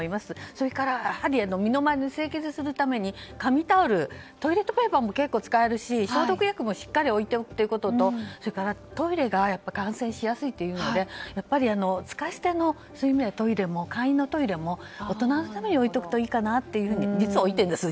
それから身の回りを清潔にするために紙タオル、トイレットペーパーも結構使えるし消毒薬も置いておくということとそれからトイレが感染しやすいというので使い捨ての簡易のトイレも大人のために置いておくといいなと思います。